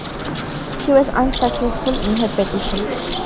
She was unsuccessful in her petition.